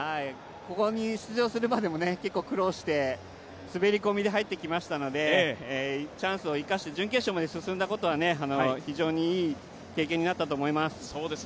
ここに出場するまでも結構苦労して滑り込みで入ってきましたので、チャンスを生かして準決勝まで進んだことは非常にいい経験になったと思います。